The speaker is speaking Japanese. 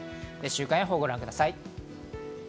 週間予報をご覧ください。